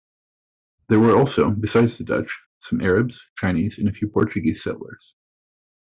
There were also, besides the Dutch, some Arabs, Chinese and a few Portuguese settlers.